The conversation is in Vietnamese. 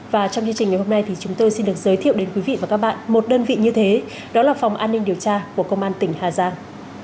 và trong chương trình ngày hôm nay thì chúng tôi xin được giới thiệu đến quý vị và các bạn một đơn vị như thế đó là phòng an ninh điều tra của công an tỉnh hà giang